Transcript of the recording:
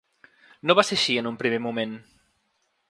No va ser així en un primer moment.